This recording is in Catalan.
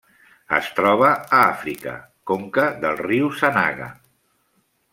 Es troba a Àfrica: conca del riu Sanaga.